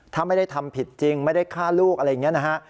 ถ้าไม่ได้ทำผิดจริงไม่ได้ฆ่าลูกอะไรอย่างนี้นะฮะ